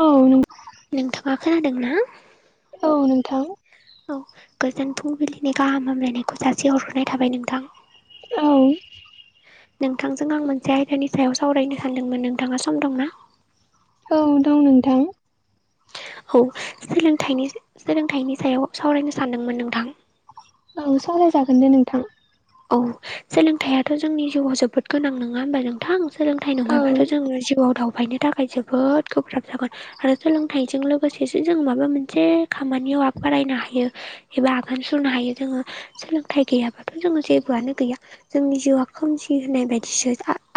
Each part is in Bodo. औ नों नोंथाङा खोनादों ना। औ नोंथां। औ गोजोन फुंबिलिनि गाहाम हामलायनायखौ जासे हरहरनाय थाबाय नोंथां। औ। नोंथांजों आं मोनसे आयदानि सायाव सावरायनो सानदोंमोन नोंथाङा सम दं ना? औ दं नोंथां। औ सोलों सोलोंथाइनि सायाव सावरायनो सानदोंमोन नोंथां। औ सावरायजागोन दे नोंथां। औ सोलोंथायाथ' जोंनि जिउआव जोबोद गोनां नङा होमबा नों गोथां सोलोंथाइ औ नङाबाथ' जोङो जिउआव दावबायनो थाखाय जोबोद गोब्राब जागोन आरो सोलोंथाइजों लोगोसेसो जों माबा मोनसे खामानियाव आग बारायनो हायो एबा आगान सुरनो हायो जोङो सोलोंथाइ गैयाब्लााथ' जोङो जेबोआनो गैया। जोंनि जिउआ खोमसि होनाय बायदिसो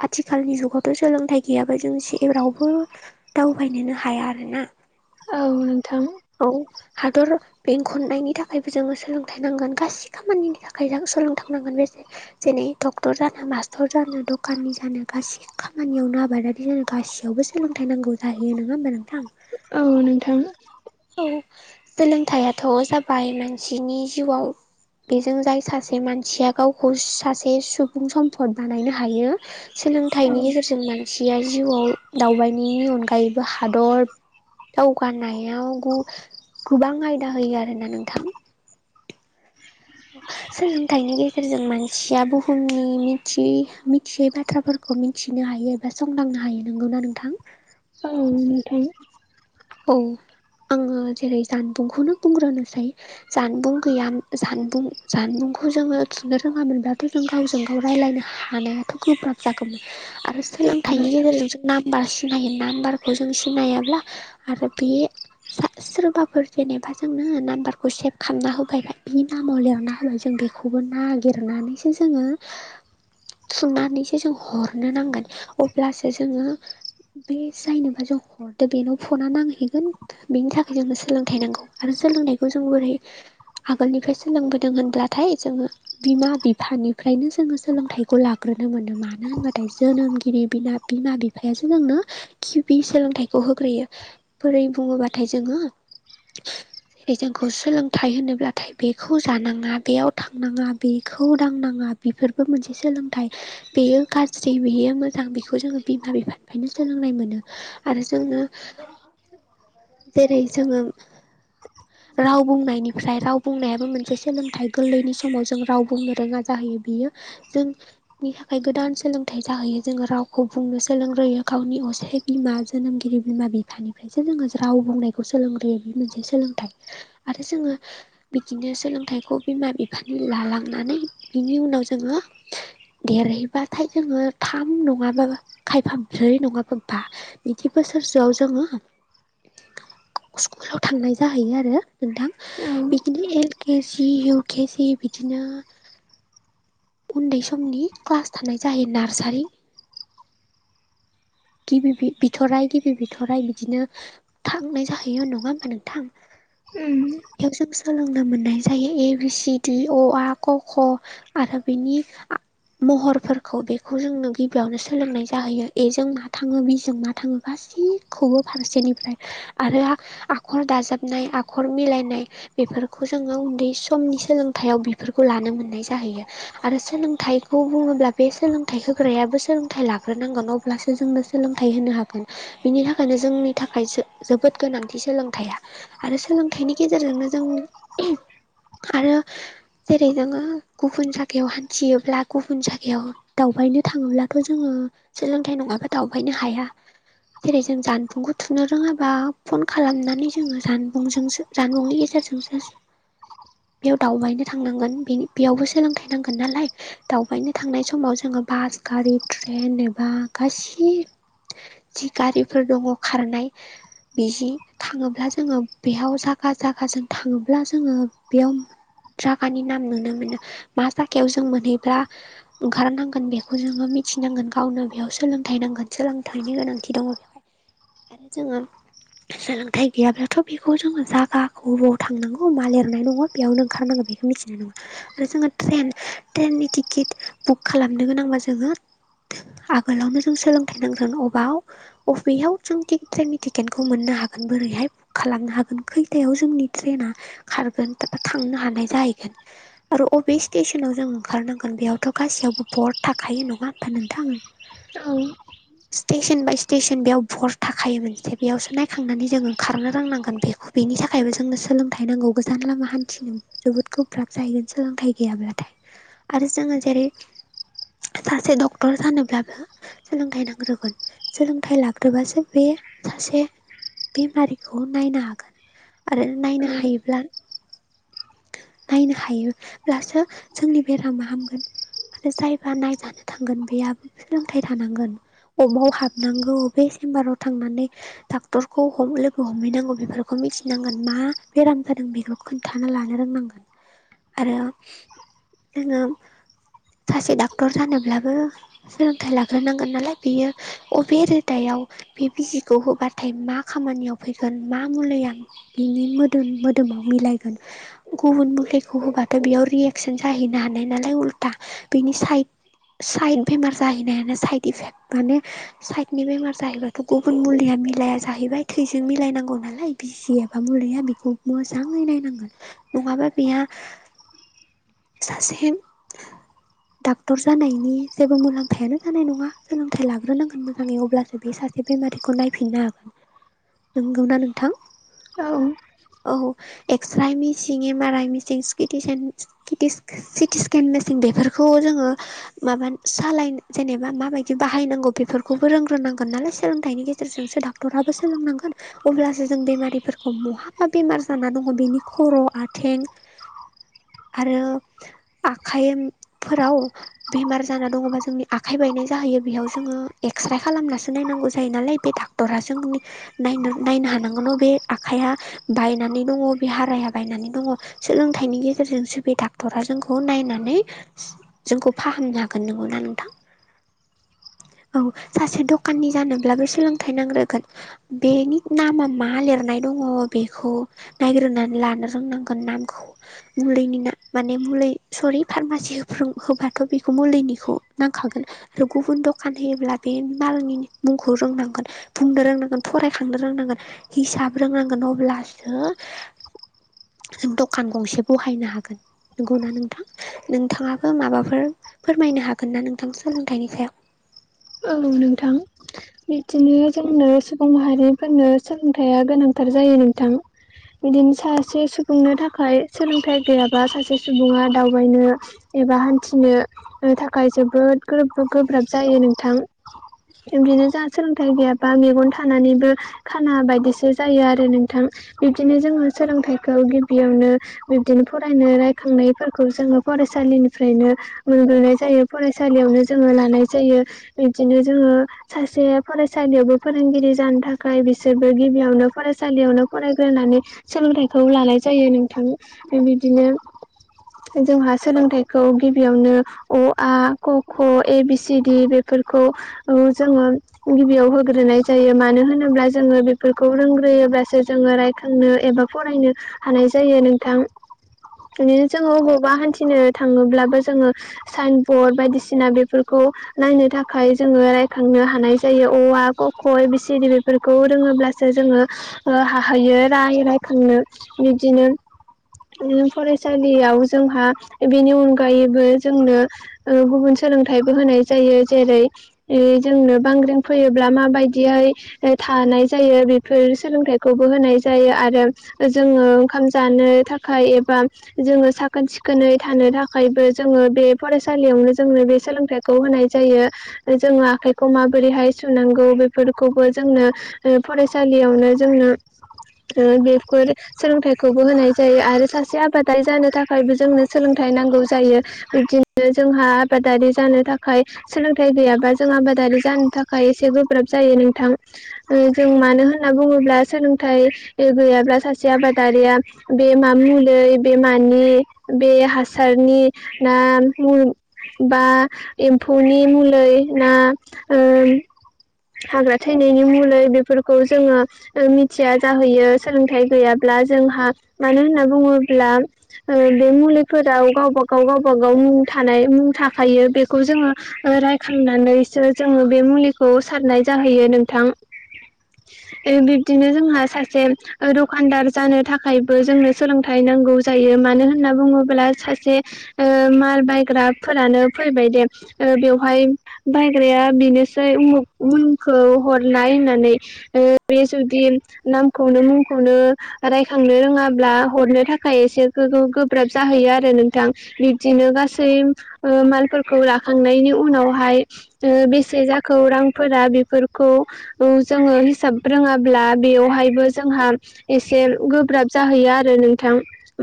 आथिखालनि जुगावथ' सोलोंथाइ गैयाबा जों जे जेरावबो दावबायनोनो हाया आरो ना। औ नोंथां। औ हादर बेंखननायनि थाखायबो जोङो सोलोंथाइ नांगोन गासिबो खामानिनि थाखाय जों सोलोंथांनांगोन बेसे जेरै डक्टर जानो मास्टर जानो दखाननि जानो गासै खामानियावनो आबादारि जानो गासैयावबो जों सोलोंथाइ नांगौ जाहैयो नङा होमबा नोंथां? औ नोंथां। औ सोलोंथायाइथ' जाबाय मानसिनि जिउआव बेजों जाय सासे मानसिया गावखौ सासे सुबुं सम्फद बानायनो हायो। औ सोलोंथाइनि गेजेरजों नो सेया जिउआव दावबायनायनि अनगायैबो हादर दावगानायाव गोबां आयदा होयो आरोना नोंथां सोलोंथाइनि गेजेरजों मानसिया बुहुमनि मिथियै बाथ्राफोरखौ खौ मिथिनो हायो एबा संदांनो हायो नोंगौना नोंथां। औ नोंथां। औ आङो जेरै जानबुंखौनो बुंग्रोनोसै। जानबुं गैयाम जानबुं जानबुंखौ जोङो थुनो रोङामोनब्ला बे जों गावजों गाव रायज्लायनो हानायाथ' गोब्राब जागौमोन। आरो औ सोलोंथाइनि नोंथां गेजेरजों जों नाम्बार सिनायो नाम्बारखौ जों सिनायाब्ला आरो बि सोरबाफोर जेनेबा जोंनो नाम्बारखौ सेभ खालामना होबाय बिनि नामाव लेरना होबाय जों बेखौ बे खौबो नागिरनानैसो जोङो सुनानैसो जों हरनो नांगोन अब्लासो जोङो बे जायनोबा जों हरदो बेनो फना नांहैगोन बेनि थाखाय जोंनो सोलोंथाइ नांगौ आरो सोलोंथाइखौ जों बोरै आगोलनिफ्राय सोलोंबोदों होनब्लाथाय जोङो बिमा बिफानिफ्रायनो जोङो सोलोंथाइखौ लाग्रोनो मोनो मानो होनबाथाय जोनोमगिरि बिमा बिमा बिफायासो जोंनो गिबि सोलोंथाइखौ होग्रोयो। बोरै बुङोबाथाय जोङो हे जोंखौ सोलोंथाइ होनोब्लाथाय बेखौ जानाङा बेयाव थांनाङा बेखौ दांनाङा बिफोरबो मोनसे सोलोंथाइ बेयो गाज्रि बेयो मोजां बेखौ जोङो बिमा बिफानिफायनो सोलोंनाय मोनो आरो जोङो [unintelligible] जेरै जोङो राव बुंनायनिफ्राय राव बुंनायाबो मोनसे सोलोंथाइ गोल्लैनि समाव जों राव बुंनो रोङा जाहैयो बियो जों नि थाखाय गोदान सोलोंथाइ जाहैयो जोङो रावखौ बुंनो सोलोंग्रोयो गावनि असे बिमा जोनोमगिरि बिमा बिफानिफ्रायसो जोङो राव बुंनायखौ सोलोंग्रोयो बे मोनसे सोलोंथाइ आरो जोङो बिदिनो सोलोंथाइखौ बिमा बिफानि लालांनानै बिनि उनाव जोङो देरहैबाथाय जोङो थाम नङाबाबो खायफा ब्रै नङाबा बा बिदि बोसोरसोआव जोङो स्कुलाव थांनाय जाहैयो आरो नोंथां औ बिदिनो L K G U K G बिदिनो उन्दै समनि क्लास थानाय जायो नार्सारि गिबि बिबिथराइ गि बि बिथ'राइ बिदिनो थांनाय जाहैयो नङा होमबा नोंथां उम बेयाव जों सोलोंनो मोननाय जायो ए बि सि डि अ आ क ख आरो बिनि आ महरफोरखौ बेखौ जोंनो गिबियावनो सोलोंनाय जाहैयो एजों मा थाङो बिजों मा थाङो गासिखौबो फारसेनिफ्राय आरो आखर दाजाबनाय आखर मिलायनाय बेफोरखौ जोङो उन्दै समनि सोलोंथायाव बिफोरखौ लानो मोननाय जाहैयो। आरो सोलोंथाइखौ बुङोब्ला बे सोलोंथाइ होग्रायाबो सोलोंथाइ लाग्रोनांगोन अब ब्लासो जोंनो सोलोंथाइ होनो हागोन बिनि थाखायनो जोंनि थाखाय जोजोबोद गोनांथि सोलोंथाया आरो सोलोंथाइनि गेजेरजोंनो जों [unintelligible] आरो जेरै जोङो गुबुन जगायाव हान्थियोब्ला गुबुन जायगायाव दावबायनो थाङोब्लाथ' जोङो सोलोंथाइ नङाबा दावबायनो हाया। जेरै जों जानबुंखौ थुनो रोङाबा फन खालामनानै जोङो जानबुंजोंसो जानबुंनि गेजेरजोंसो बेयाव दावबायनो थांनांगोन बेनि बेयावबो सोलोंथाइ नांगोन नालाय दावबायनो थांनाय समाव जोङो बास गारि ट्रेन एबा गासि जि गारिफोर दङ खारनाय बिजि थाङोब्ला जोङो बेयाव जाखा जाखाजों थाङोब्ला जोङो बियाव जागानि नाम नुनो मोनो मा जागायाव जों मोनहैब्ला ओंखारनांगोन बेखौ जोङो मिथिनांगोन गावनो बेयाव सोलोंथाइ नांगोन सोलोंथाइनि गोनां थि दङ आरो जोङो सोलोंथाइ गैयाब्लाथ' बिखौ जोङो जागाखौ ब थांनांगौ मा लेरनाय दङ बेयावनो ओंखारनांगो बेखौ मिथिनाय नङा आरो जोङो ट्रेन ट्रेननि टिकिट बुक खालामनो गोनांबा जोङो आगोलावनो जों सोलोंथाइ नांगोन अबाव अबेयाव जों टि ट्रेननि टिकेटखौ मोननो हागोन बोरैहाय खालामनो हागोन खैथायाव जोंनि ट्रेना खारगोन थांनो हानाय जायैगोन आरो अबे स्टेसनाव जों ओंखारनांगोन बेयावथ' गासैयावबो बर्ड थाखायो नङा होमबा नोंथां औ स्टेसन बाय स्टेसन बेयाव भर थाखायो मोनसे बेयावसो नायखांनानै जों ओंखारनो रोंनांगोन बेखौ बेनि थाखायबो जोंनो सोलोंथाइ नांगौ गोजान लामा हान्थिनो जोबोद गोब्राब जाहैगोन सोलोंथाइ गैयाब्लाथाय आरो जोङो जेरै सासे डक्टर जानोब्लाबो सोलोंथाइ नां [unintelligible] सोलोंथाइ लाग्रोबासो बे सासे बेमारिखौ नायनो हागोन आरो नायनो हायोब्ला नायनो हायोब्लासो जोंनि बेरामा हामगोन आरो जायबा नायजानो थांगोन बेयाबो सोलोंथाइ थानांगोन अबाव हाबनांगौ बेे सेेम्बाराव थांनानै डाक्टरखौ हम लोगो हमहैनांगौ बेफोरखौ मिथिनांगोन मा बेराम जादों बेखौ खोन्थाना लानो रोंनांगोन आरो जोङो सासे डाक्टर जानोब्लाबो सोलोंथाइ लाग्रोनांगोन नालाय बियो अबे रोदायाव बे बिजिखौ होबाथाय मा खामानियाव फैगोन मा मुलैया बिनि मोदोम मोदोमाव मिलायगोन गुबुन मुलिखौ होबाथ' बेयाव रियेकसन जाहैनो हानाय नालाय उल्था बेनि साइद साइद बेमार जाहैनायानो साइद इफेक्ट माने साइडनि बेमार जाहैबाथ' गुबुन मुलिया मिलाया जाहैबाय थैजों मिलायनांगौ नालाय बिजि एबा मुलिया बेखौ मोजाङै नायनांगोन नङाबा बेहा सासे डाक्टर जानायनि जेबो मुलाम्फायानो जानाय नङा। सोलोंथाइ लाग्रोनांगोन मोजाङै अब्लासो बे सासे बेमारिखौ नायफिननो हागोन नोंगौना नोंथां औ औ एक्सराइ मिचिं एम आर आइ मिचिं चि टि सेन चिटि चिटिक्स सिटिस्केन मेचिन बेफोरखौ जोङो माबा सालाय जेनेबा माबाय दि बाहायनांगौ बेफोरखौबो रोंग्रोनांगोन नालाय सोलोंथाइनि गेजेरजोंसो डाक्टराबो सोलोंनांगोन। अब्लासो जों बेमारिफोरखौ महाबा बेमार जानानै दङ' बेनि खर' आथें आरो आखाइमफोराव बेमार जाना दङबा जोंनि आखाइ बायनाय जाहैयो बेयाव जोङो एक्सराइ खालामनासो नायनांगौ जायो नालाय बे डाक्टरा जोंनि नायनो नायनो हानांगोन अबे आखाइया बायनानै दङ बे हाराया बायनानै दङ सोलोंथाइनि गेजेरजों बि डाक्टरा जोंखौ नायनानै जोंखौ फाहामनो हागोन नंगौना नोंथां औ सासे दकानि जानोब्लाबो सोलोंथाइ नांग्रोगोन बेनि नामा मा लिरनाय दङ बेखौ नायग्रोनानै लानो रोंनांगोन नामखौ मुलिनि ना माने मुलै सरि फार्मासि होबाथ' बेखौ मुलिनिखौ नांखागोन आरो गुबुन दखान होयोब्ला बे मालनि मुंखौ रोंनांगोन बुंनो रोंनांगोन फरायखांनो रोंनांगोन हिसाब रोंनांगोन अब्लासो जों दखान गंसे बहायनो हागोन। नंगौना नोंथां? नोंथाङाबो माबाफोर फोरमायनो हागोन ना नोंथां सोलोंथाइनि सायाव? औ नोंथां। बिदिनो जोंनो सुबुं माहारिफोरनो सोलोंथाइया गोनांथार जायो नोंथां। बिदिनो सासे सुबुंनो थाखाय सोलोंथाइ गैयाबा सासे सुबुङा दावबायनो एबा हान्थिनो ओ थाखाय जोबोद गोब्रो गोब्राब जायो नोंथां। बिदिनो जोंहा सोलोंथाइ गैयाबा मेगन थानानैबो खाना बायदिसो जायो आरो नोंथां बिब्दिनो जोङो सोलोंथाइखौ गिबियावनो बिब्दिनो फरायनो रायखांनायफोरखौ जोङो फरायसालिनिफ्रायनो मोनग्रोनाय जायो फरायसालियावनो जोङो लानाय जायो बिदिनो जोङो सासे फरायसालियावबो फोरोंगिरि जानो थाखाय बिसोरबो गिबियावनो फरायसालियावनो फरायग्रोनानै सोलोंथाइखौ लानाय जायो नोंथां बिदिनो जोंहा सोलोंथाइखौ गिबियावनो अ आ क ख ए बि सिडि बे फोरखौ औ जोङो गिबियाव होग्रोनाय जायो मानो होनोब्ला जोङो बेफोरखौ रोंग्रोयोब्लासो जोङो रायखांनो एबा फरायनो हानाय जायो नोंथां। बिदिनो जोङो हबावबा हान्थिनो थाङोब्लाबो जोङो साइन बर्ड बायदिसिना बेफोरखौ नायनो थाखाय जोङो रायखांनो हानाय जायो अ आ क ख ए बि सि दि बेफोरखौ रोङोब्लासो जोङो हाहैयो राय रायखांनो बिदिनो फरायसालियाव जोंहा बेनि अनगायैबो जोंनो ओ गुबुन सोलोंथाइबो होनाय जायो जेरै [unintelligible] जोंनो बांग्रिं फैयोब्ला माबायदिहाय थानाय जायो बेफोर सोलोंथाइखौबो होनाय जायो आरो जोङो ओंखाम जानो थाखाय एबा जोङो साखोन सिखोनै थानो थाखायबो जोङो बे फरायसालियावनो जोंनो बे सोलोंथाइखौ होनाय। जायो जोङो आखाइखौ माबोरैहाय सुनांगौ बेफोरखौबो जोंनो ओ फरायसालियावनो जोंनो ओ बेफोर सोलोंथाइखौबो होनाय जायो आरो सासे आबादारि जानो थाखायबो जोंनो सोलोंथाइ नांगौ जायो बिदिनो जोंहा आबादारि जानो थाखाय सोलोंथाइ गैयाबा जों आबादारि जानो थाखाय एसे गोब्राब जायो नोंथां। ओ जों मानो होनना बुङोब्ला सोलोंथाइ गैयाब्ला सासे आबादारिया बे मा मुलै बे मानि बे हासारनि ना [unintelligible] फ'नि मुलै ना ओ हाग्रा थैनायनि मुलै बेफोरखौ जोङो ओ मिथिया जाहैयो सोलोंथाइ गैयाब्ला जोंहा मानो होनना बुङोब्ला ओ बे मुलिफोराव गावबा गाव गावबागाव मुं थानाय मुं थाखायो बेखौ जोङो ओ रायखांनानैसो जोङो बे मुलिखौ सारनाय जाहैयो नोंथां। ओ बिब्दिनो जोंहा सासे दखानदार जानो थाखायबो जोंनो सोलोंथाइ नांगौ जायो मानो होनना बुङोब्ला सासे ओ माल बायग्राफोरानो फैबाय दे ओ बेवहाय बायग्राया बेनोसै उमुख उलखौ हरलाय होननानै ओ बे जुदि नामखौनो मुंखौनो रायखांनो रोङाब्ला हरनो थाखाय एसे गो-गोब्राब जाहैयो आरो नोंथां। बिब्दिनो गासै ओ मालफोरखौ लाखांनायनि उनावहाय ओ बेसे जाखो रांफोरा बेफोरखौ औ जोङो हिसाब रोङाब्ला बेयावहायबो जोंहा एसे गोब्राब जाहैयो आरो नोंथां।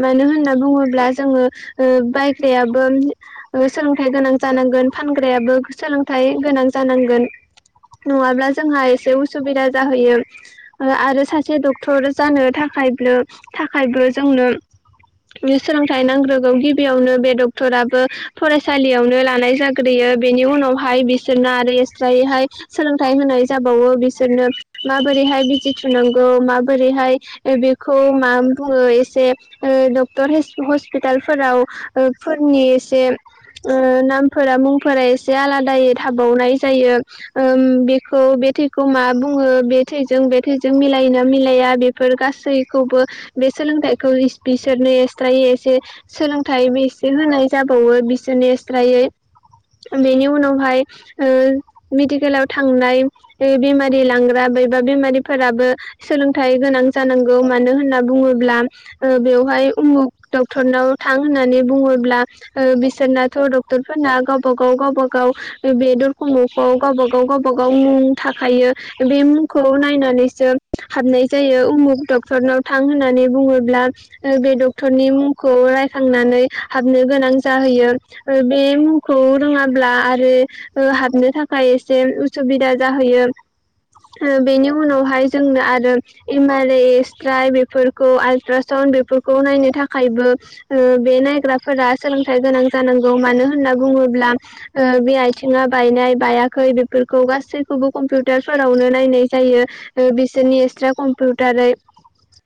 मानो होनना बुङोब्ला जोङो ओ बायग्रायाबो ओ सोलोंथाइ गोनां जानांगोन फानग्रायाबो सोलोंथाइ गोनां जानांगोन। नङाब्ला जोंहा एसे उसुबिदा जाहैयो। आरो आरो सासे डक्टर जानो थाखाय थाखायबो जोंनो सोलोंथाइ नांग्रोगौ गिबियावनो बे डक्टराबो फरायसालियावनो हानाय जाग्रोयो बेनि उनावहाय बिसोरना आरो एस्रायैहाय सोलोंथाइ होनाय जाबावो बिसोरनो माबोरैहाय बिजि थुनांगौ माबोरैहाय ओ बेखौ मा बुङो एसे ओ डक्टर [unintelligible] हस्पिटालफोराव ओ फोरनि एसे ओ नाम फोरा मुंफोरा एसे आलादायै थाबावनाय जायो। ओम बेखौ बे थैखौ मा बुङो बे थैजों बे थैजों मिलायोना मिलाया बे फोर गासैखौबो बे सोलोंथाइखौ बिसोरनो ए सट्रायै एसे सोलोंथाइ बेसे होनाय जाबावो बिसोरनि स्रायै बेनि उनावहाय ओ मेडिकेलाव थांनाय बेमारि लांग्रा बैबा बेमारिफोराबो सोलोंथाइ गोनां जानांगौ मानो होनना बुङोब्ला बेवहाय उमुक डक्टरनाव थां होननानै बुङोब्ला बिसोरनाथ' डक्टर ना गावबा गाव बेदरखम'खौ गावबा गाव गावबागाव मुं थाखायो बे मुंखौ नायनानैसो हाबनाय जायो उमुक डक्टरनाव थां होननानै बुङोब्ला बे डक्टरनि मुंखौ रायखांनानै हाबनो गोनां जाहैयो बे मुंखौ रोङाब्ला आरो हाबनो थाखाय एसे उसुबिदा जाहैयो बेनि उनावहाय जोंनो आरो एम आर एसट्राइ बेफोरखौ आलट्राासउन्ड बेफोरखौ नायनो थाखायबो बे नायग्राफोरा सोलोंथाइ गोनां जानांगौ मानो होनना बुङोब्ला बे आथिङा बायनाय बायाखै बेफोरखौ गासैखौबो कम्पिउटारफोरावनो नायनाय जायो बिसोरनि एक्सट्रा कम्पिउटारै